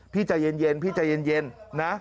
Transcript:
พี่ใจเย็น